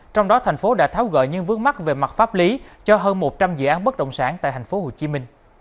trong đó thành phố đã tháo gỡ những vướng mắt về mặt pháp lý cho hơn một trăm linh dự án bất động sản tại tp hcm